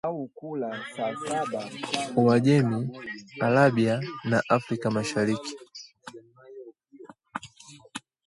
uajemi, arabia na afrika mashariki